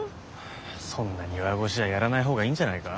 そんなに弱腰じゃやらない方がいいんじゃないか？